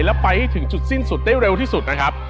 แล้วไปให้ถึงจุดสิ้นสุดได้เร็วที่สุดนะครับ